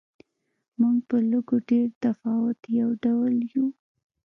موږ په لږ و ډېر تفاوت یو ډول یو.